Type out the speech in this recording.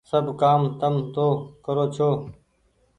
سب ڪآم تم تو ڪرو ڇو۔